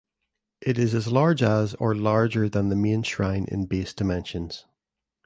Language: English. It is as large as or larger than the main shrine in base dimensions.